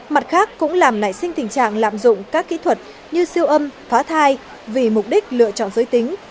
mặt khác cũng làm nảy sinh tình trạng lạm dụng các kỹ thuật như siêu âm phá thai vì mục đích lựa chọn giới tính